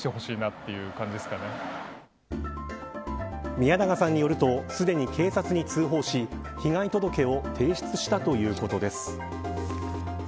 宮永さんによるとすでに警察に通報し被害届を提出したということです。